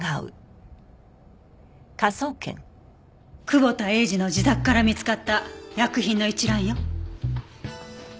久保田英司の自宅から見つかった薬品の一覧よ。